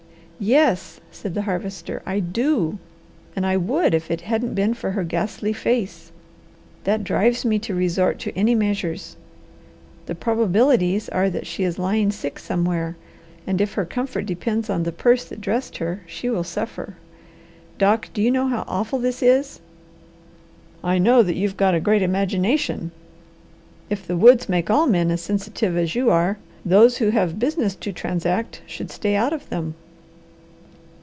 "Yes," said the Harvester, "I do! And I would, if it hadn't been for her ghastly face. That drives me to resort to any measures. The probabilities are that she is lying sick somewhere, and if her comfort depends on the purse that dressed her, she will suffer. Doc, do you know how awful this is?" "I know that you've got a great imagination. If the woods make all men as sensitive as you are, those who have business to transact should stay out of them.